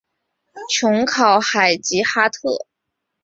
琼考海吉哈特。